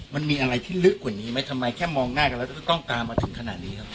มันมีอะไรที่ลึกกว่านี้ไหมทำไมแค่มองหน้ากันแล้วก็จะต้องตามมาถึงขนาดนี้ครับ